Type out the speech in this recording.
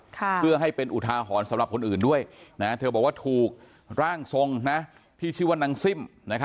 เพื่อให้เป็นอุทาหรณ์สำหรับคนอื่นด้วยนะเธอบอกว่าถูกร่างทรงที่ชื่อว่านางซิ่ม